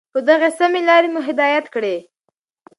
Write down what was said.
په دغي سمي لار مو هدايت كړې